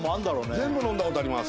「全部飲んだ事あります。